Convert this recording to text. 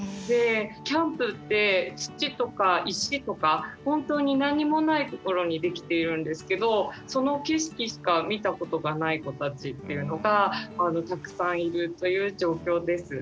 キャンプって土とか石とか本当に何もないところに出来ているんですけどその景色しか見たことがない子たちっていうのがたくさんいるという状況です。